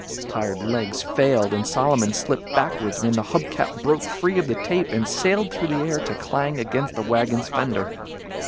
Tired legs failed and Solomon slipped backward when the hub cap broke free of the tape and sailed through the air to clang against the wagon's fender.